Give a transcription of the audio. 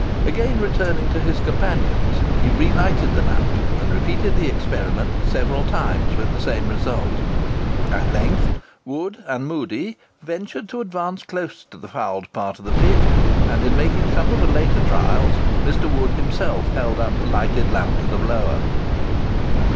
Again returning to his companions, he relighted the lamp, and repeated the experiment several times with the same result. At length Wood and Moodie ventured to advance close to the fouled part of the pit; and, in making some of the later trials, Mr. Wood himself held up the lighted lamp to the blower.